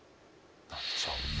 何でしょう？